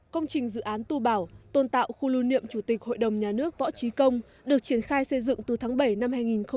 công trình dự án tu bảo tồn tạo khu lưu niệm chủ tịch hội đồng nhà nước võ trí công được triển khai xây dựng từ tháng bảy năm hai nghìn một mươi